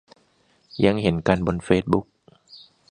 ยังเห็นกันบนเฟซบุ๊ก